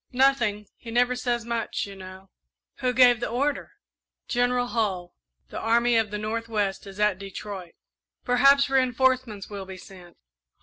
"Nothing he never says much, you know." "Who gave the order?" "General Hull the Army of the North west is at Detroit." "Perhaps reinforcements will be sent."